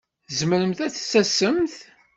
Tzemremt ad d-tasemt?